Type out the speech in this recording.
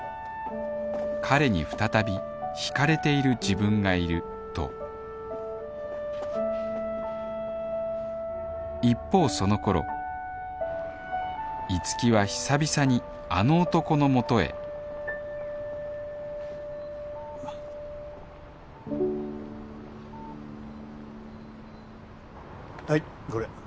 彼に再び惹かれている自分がいると一方その頃樹は久々にあの男のもとへはいこれ。